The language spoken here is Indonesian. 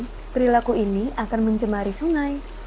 sejak tahun dua ribu perilaku ini akan mencemari sungai